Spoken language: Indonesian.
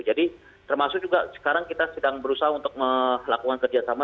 jadi termasuk juga sekarang kita sedang berusaha untuk melakukan kerjasama